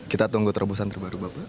kita tunggu terobosan terbaru bapak